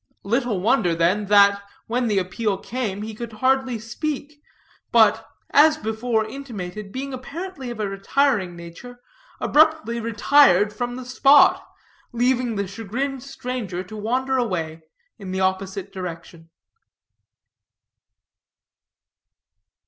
Little wonder, then, that, when the appeal came, he could hardly speak, but, as before intimated, being apparently of a retiring nature, abruptly retired from the spot, leaving the chagrined stranger to wander away in the opposite direction.